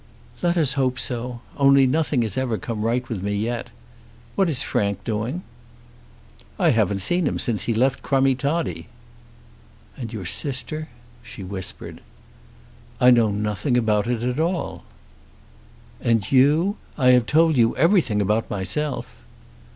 "Let us hope so. Only nothing has ever come right with me yet. What is Frank doing?" "I haven't seen him since he left Crummie Toddie." "And your sister?" she whispered. "I know nothing about it at all." "And you? I have told you everything about myself."